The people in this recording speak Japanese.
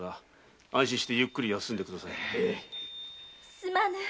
すまぬ。